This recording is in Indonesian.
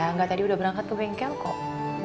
enggak tadi udah berangkat ke bengkel kok